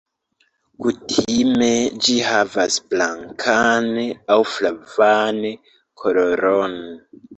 Kutime ĝi havas blankan aŭ flavan koloron.